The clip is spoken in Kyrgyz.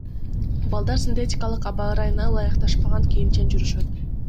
Балдар синтетикалык, аба ырайына ылайыкташпаган кийимчен жүрүшөт.